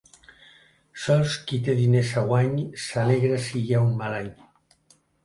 Sols qui té diners a guany s'alegra si hi ha mal any.